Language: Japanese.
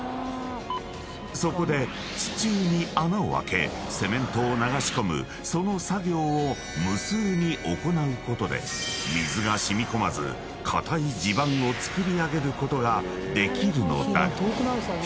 ［そこで地中に穴を開けセメントを流し込むその作業を無数に行うことで水が染み込まず固い地盤を作り上げることができるのだ］